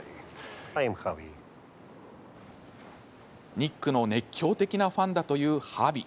ニックの熱狂的なファンだというハビ。